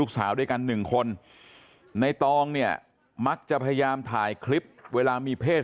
สาวด้วยกันหนึ่งคนในตองเนี่ยมักจะพยายามถ่ายคลิปเวลามีเพศ